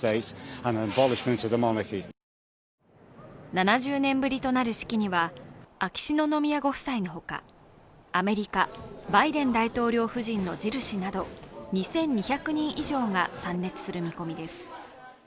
７０年ぶりとなる式には秋篠宮ご夫妻のほか、アメリカ・バイデン大統領夫人のジル氏など２２００人以上が参列する見込みです。